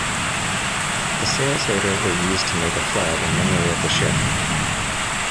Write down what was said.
The sails later were used to make a flag in memory of the ship.